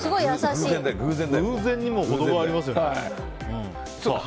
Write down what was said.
偶然にも程がありますよね。